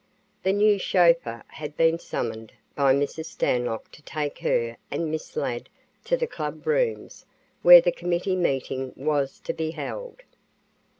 The new chauffeur had been summoned by Mrs. Stanlock to take her and Miss Ladd to the club rooms where the committee meeting was to be held.